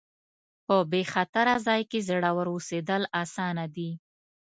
په بې خطره ځای کې زړور اوسېدل اسانه دي.